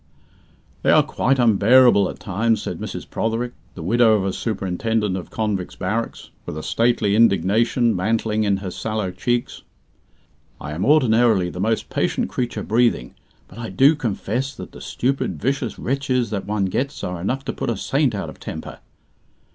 "They are quite unbearable at times." said Mrs. Protherick, the widow of a Superintendent of Convicts' Barracks, with a stately indignation mantling in her sallow cheeks. "I am ordinarily the most patient creature breathing, but I do confess that the stupid vicious wretches that one gets are enough to put a saint out of temper."